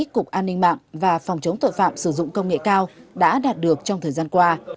cục an ninh mạng và phòng chống tội phạm sử dụng công nghệ cao đã đạt được trong thời gian qua